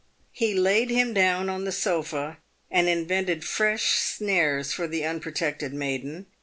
He laid him down on the sofa and invented fresh snares for the unprotected maiden.